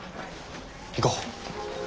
行こう。